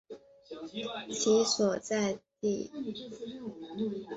其所在地喇沙利道因喇沙书院而命名。